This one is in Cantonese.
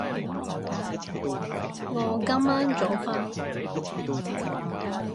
我今晚早瞓